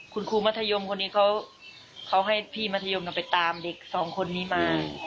คุณครูมัธยมคนนี้เขาให้พี่มัธยมไปตามเด็กสองคนนี้มา